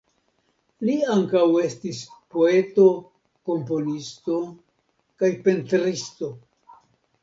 Li ankaŭ estis poeto, komponisto kaj pentristo.